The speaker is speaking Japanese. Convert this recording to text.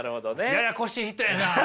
ややこしい人やな。